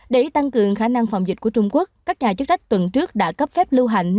để tăng cường khả năng phòng dịch của trung quốc các nhà chức trách tuần trước đã cấp phép lưu hành